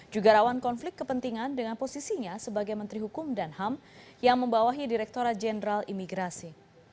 juga rawan konflik kepentingan dengan posisinya sebagai menteri hukum dan ham yang membawahi direkturat jenderal imigrasi